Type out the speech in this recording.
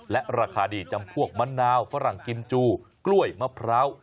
และราคาดีจำพวกมะนาวฝรั่งกิมจูกล้วยมะพร้าว